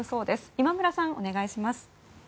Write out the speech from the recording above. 今村さん、お願いします。